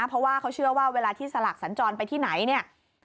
เพราะว่าเขาเชื่อว่าเวลาที่สลักสัญจรไปที่ไหนเนี่ย